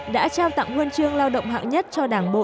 đã trao tặng nguồn trương lao động hạng nhất cho đảng bộ